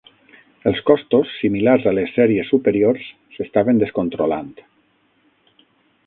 Els costos, similars a les sèries superiors, s'estaven descontrolant.